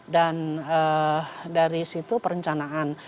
dan dari situ perencanaan